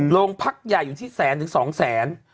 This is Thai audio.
โรงพักใหญ่อยู่ที่แสนถึง๒แสน